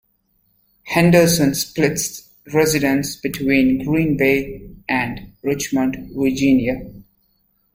Henderson splits residence between Green Bay and Richmond, Virginia.